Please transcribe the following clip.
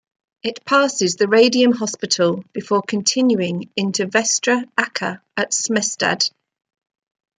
It passes the Radium Hospital before continuing into Vestre Aker at Smestad.